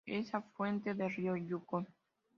Es afluente del río Yukón.